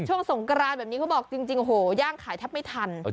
สงกรานแบบนี้เขาบอกจริงโหย่างขายแทบไม่ทัน